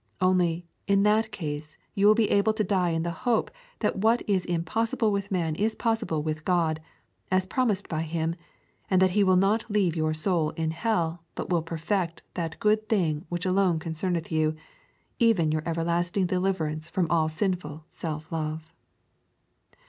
Only, in that case you will be able to die in the hope that what is impossible with man is possible with God, as promised by Him, and that He will not leave your soul in hell, but will perfect that good thing which alone concerneth you, even your everlasting deliverance from all sinful self love.